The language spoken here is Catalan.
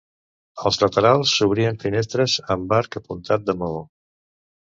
Als laterals s'obrien finestres amb arc apuntat de maó.